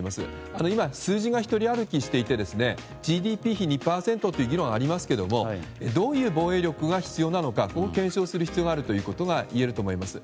ただ、今数字が独り歩きしていてＧＤＰ比２％という議論がありますが、どういう防衛策が必要なのかを検証する必要があるといえると思います。